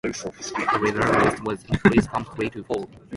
The reserve list was increased from three to four.